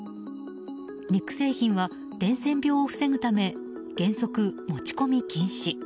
肉製品は伝染病を防ぐため原則持ち込み禁止。